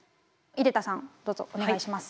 出田さんどうぞお願いします。